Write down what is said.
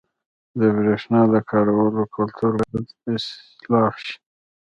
• د برېښنا د کارولو کلتور باید اصلاح شي.